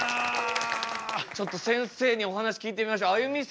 ちょっとせんせいにお話聞いてみましょうあゆみ